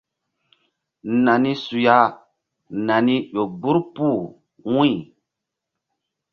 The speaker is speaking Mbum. Nani su ya nani ƴo gbur puh wu̧y.